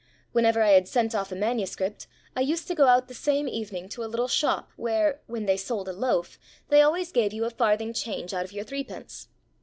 Whenever I had sent off a manuscript I used to go out the same evening to a little shop where, when they sold a loaf, they always gave you a farthing change out of your threepence.